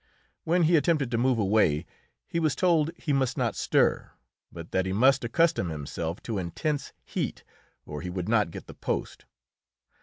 When he attempted to move away, he was told he must not stir, but that he must accustom himself to intense heat or he would not get the post.